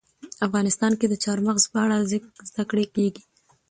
افغانستان کې د چار مغز په اړه زده کړه کېږي.